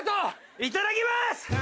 いただきます！